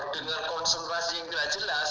dengan konsentrasi yang tidak jelas